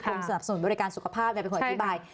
สนับสนุนบริการสุขภาพเป็นคนอธิบาย